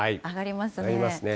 上がりますね。